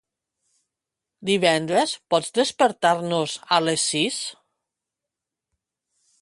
Divendres pots despertar-nos a les sis?